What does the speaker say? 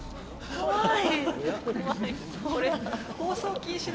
怖い。